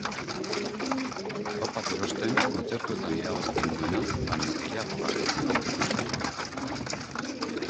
Arropak erosten kontzertuetan irabazten duena baino gehiago gastatzen omen du.